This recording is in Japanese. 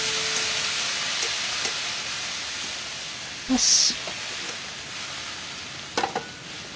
よし。